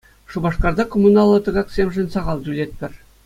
Шупашкарта коммуналлӑ тӑкаксемшӗн сахал тӳлетпӗр.